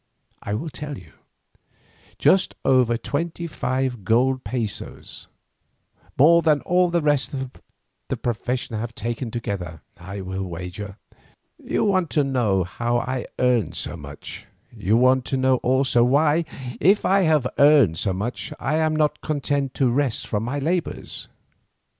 I will tell you; just over twenty five gold pesos, more than all the rest of the profession have taken together, I will wager. You want to know how I earn so much; you want to know also, why, if I have earned so much, I am not content to rest from my labours.